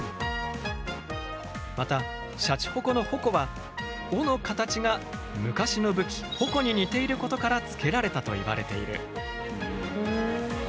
またシャチホコのホコは尾の形が昔の武器鉾に似ていることから付けられたといわれている。